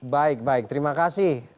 baik baik terima kasih